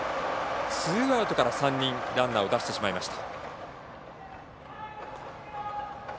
ツーアウトから３人ランナーを出してしまいました。